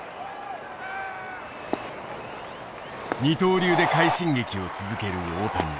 二刀流で快進撃を続ける大谷。